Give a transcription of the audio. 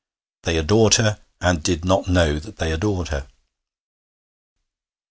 They adored her, and did not know that they adored her.